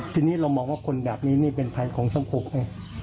ทีนี้เรามองว่าคนแบบนี้นี่เป็นภัยของสังคมไง